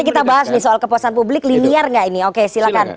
nanti kita bahas nih soal kepuasan publik linier gak ini oke silakan